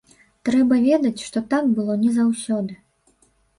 Трэба ведаць, што так было не заўсёды.